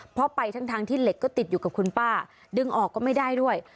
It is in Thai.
เพราะไปทั้งที่เหล็กก็ติดอยู่กับคุณป้าดึงออกก็ไม่ได้ด้วย